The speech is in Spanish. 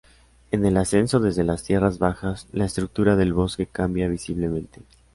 En el ascenso desde las tierras bajas, la estructura del bosque cambia visiblemente.